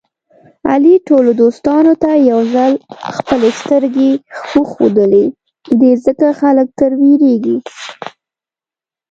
علي ټولو دوستانو ته یوځل خپلې سترګې ورښودلې دي. ځکه خلک تر وېرېږي.